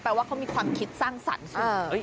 แปลว่าเขามีความคิดสร้างสรรค์สุด